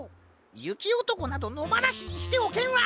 ゆきおとこなどのばなしにしておけんわ。